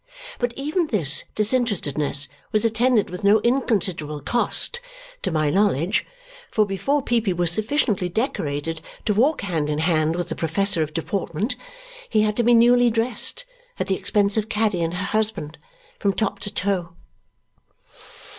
But even this disinterestedness was attended with no inconsiderable cost, to my knowledge, for before Peepy was sufficiently decorated to walk hand in hand with the professor of deportment, he had to be newly dressed, at the expense of Caddy and her husband, from top to toe.